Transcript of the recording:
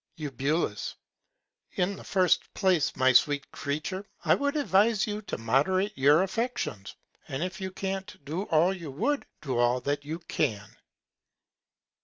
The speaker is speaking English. Eu. In the first Place, my sweet Creature, I would advise you to moderate your Affections; and if you can't do all you would, do all that you can.